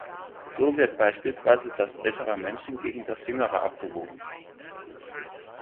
So wird beispielsweise das älterer Menschen gegen das jüngerer abgewogen.